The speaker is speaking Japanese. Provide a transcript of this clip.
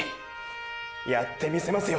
やってみせますよ